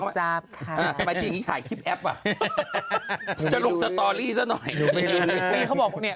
ครับทำไมทีนี่ถ่ายคลิปแอปอ่ะจะลุงสตอรี่ซะหน่อยเขาบอกเนี้ย